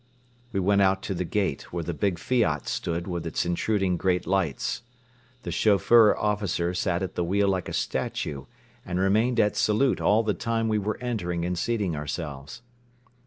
We went out to the gate where the big Fiat stood with its intruding great lights. The chauffeur officer sat at the wheel like a statue and remained at salute all the time we were entering and seating ourselves.